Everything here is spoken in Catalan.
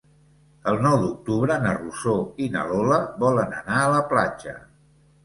El nou d'octubre na Rosó i na Lola volen anar a la platja.